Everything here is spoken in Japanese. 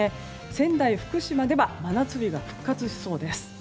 仙台、福島では真夏日が復活しそうです。